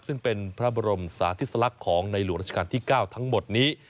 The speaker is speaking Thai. ซึ่งเป็นพระบรมสาธิสลักษณ์ของในหลวงราชการที่๙ทั้งหมดนี้